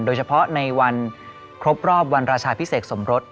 โดยเฉพาะในวันครบรอบวันราชาพิเศษสมรส